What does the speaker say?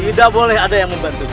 tidak boleh ada yang membantunya